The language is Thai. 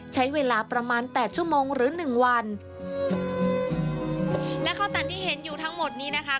ใช้เวลาประมาณแปดชั่วโมงหรือหนึ่งวันและข้าวตันที่เห็นอยู่ทั้งหมดนี้นะคะ